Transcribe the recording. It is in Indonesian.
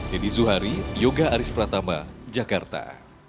teddy zuhari yoga aris pratama jakarta